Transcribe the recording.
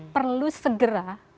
perlu segera mengkompensasi